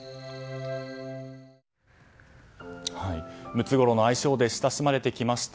ムツゴロウの愛称で親しまれてきました